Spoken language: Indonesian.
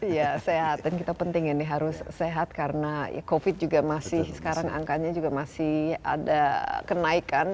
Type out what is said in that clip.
iya sehat dan kita penting ini harus sehat karena covid juga masih sekarang angkanya juga masih ada kenaikan